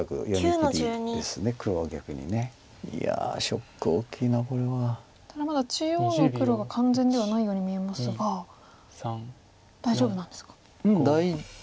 ただまだ中央の黒が完全ではないように見えますが大丈夫なんですか？